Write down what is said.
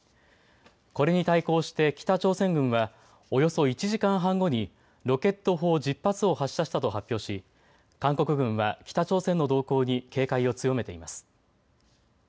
これに対抗して北朝鮮軍はおよそ１時間半後にロケット砲１０発を発射したと発表し韓国軍は北朝鮮の動向に警戒を強めています。